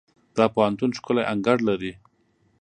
دا پوهنتون ښکلی انګړ لري.